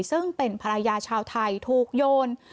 ซึ่งเป็นภรรยาชาวไทยถูกโยน